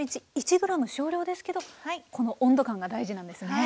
１ｇ少量ですけどこの温度感が大事なんですね。